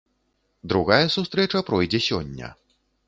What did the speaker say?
Другая сустрэча пройдзе сёння.